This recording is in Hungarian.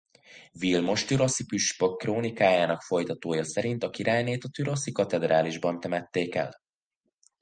Vilmos türoszi püspök krónikájának folytatója szerint a királynét a türoszi katedrálisban temették el.